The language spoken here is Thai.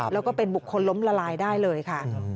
แล้วก็เป็นบุคคลล้มละลายได้เลยค่ะ